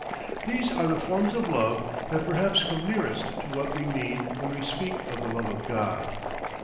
These are the forms of love that perhaps come nearest to what we mean when we speak of the love of God.